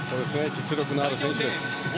実力のある選手です。